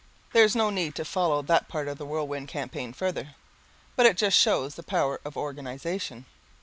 There's no need to follow that part of the Whirlwind Campaign further. But it just shows the power of organization.